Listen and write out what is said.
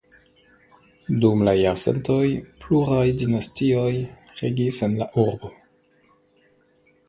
Dum la jarcentoj pluraj dinastioj regis en la urbo.